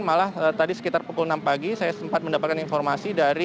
malah tadi sekitar pukul enam pagi saya sempat mendapatkan informasi dari